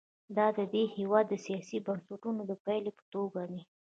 دا د دې هېواد د سیاسي بنسټونو د پایلې په توګه دي.